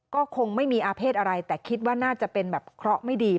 ก็คงไม่มีอาเภษอะไรแต่คิดว่าน่าจะเป็นแบบเคราะห์ไม่ดี